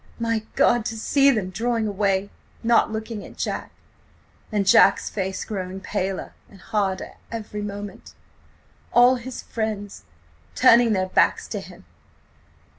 My God, to see them drawing away–not looking at Jack! And Jack's face–growing paler and harder ... every moment. ... All his friends. .. turning their backs to him.